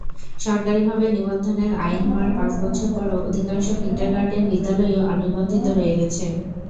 সরকারিভাবে নিবন্ধনের আইন হওয়ার পাঁচ বছর পরও অধিকাংশ কিন্ডারগার্টেন বিদ্যালয়ই অনিবন্ধিত রয়ে গেছে।